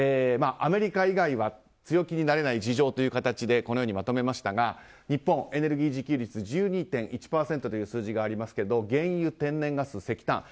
アメリカ以外は強気になれない事情というところでこのようにまとめましたが日本、エネルギー需給率が１２．１％という数字がありますが原油、天然ガス、石炭。